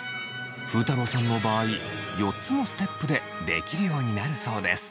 ふうたろうさんの場合４つのステップでできるようになるそうです。